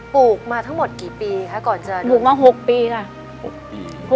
ปลูกมาทั้งหมดกี่ปีคะก่อนเจอปลูกมาหกปีค่ะหกปี